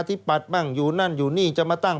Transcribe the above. สวัสดีค่ะต้องรับคุณผู้ชมเข้าสู่ชูเวสตีศาสตร์หน้า